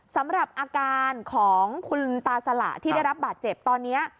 สำหรับอาการของคุณตาสละที่ได้รับบาดเจ็บตอนนี้